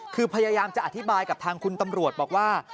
คือพยายามจะอธิบายกับทางคุณตำรวจบอกว่า